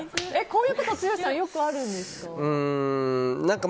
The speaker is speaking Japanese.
こういうこと、剛さんよくあるんですか？